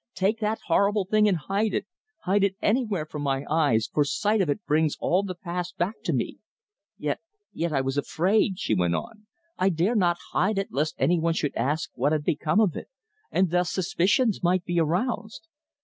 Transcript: Take that horrible thing and hide it hide it anywhere from my eyes, for sight of it brings all the past back to me. Yet yet I was afraid," she went on, "I dare not hide it, lest any one should ask what had become of it, and thus suspicions might be aroused.